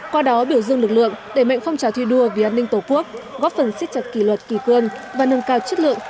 qua đó biểu dương lực lượng để mạnh phong trào thi đua vì an ninh tổ quốc góp phần xích chặt kỷ luật kỳ cương và nâng cao chất lượng